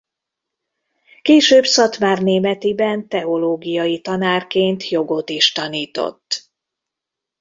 Később Szatmárnémetiben teológiai tanárként jogot is tanított.